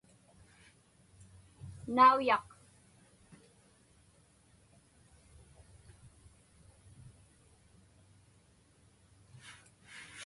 nauyaq